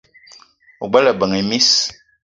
O gbele ebeng e miss :